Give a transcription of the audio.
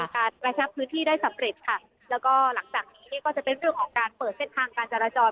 กระชับพื้นที่ได้สำเร็จค่ะแล้วก็หลังจากนี้เนี่ยก็จะเป็นเรื่องของการเปิดเส้นทางการจราจร